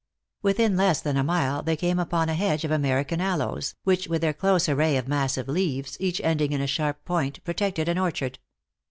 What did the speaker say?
Within less then a mile, they came upon a hedge of American aloes, which, with their close array of massive leaves, each ending in a sharp point, protected an orchard.